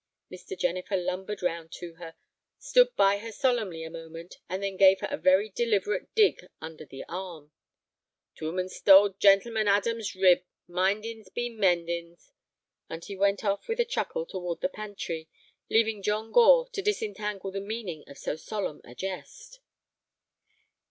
Mr. Jennifer lumbered round to her, stood by her solemnly a moment, and then gave her a very deliberate dig under the arm. "T' woman stole gentleman Adam's rib; mindings be mendings." And he went off with a chuckle toward the pantry, leaving John Gore to disentangle the meaning of so solemn a jest.